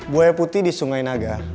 buaya putih di sungai naga